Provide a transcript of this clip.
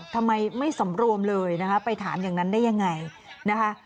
ทำไมไม่สำรวมเลยนะคะไปถามอย่างนั้นได้ยังไงนะคะ